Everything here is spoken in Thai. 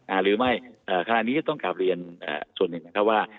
หรือไม่เอ่อขณะนี้ก็ต้องกลับเรียนส่วนหนึ่งนะครับว่า